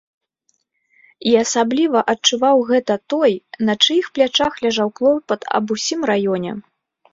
І асабліва адчуваў гэта той, на чыіх плячах ляжаў клопат аб усім раёне.